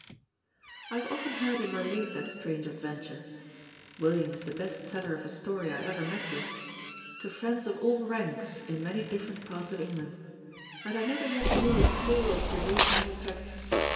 I have often heard him relate that strange adventure (William is the best teller of a story I ever met with) to friends of all ranks in many different parts of England, and I never yet knew it fail of producing an effect.